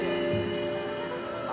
dvit ini siapa